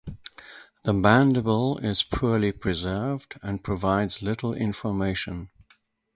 The mandible is poorly preserved and provides little information.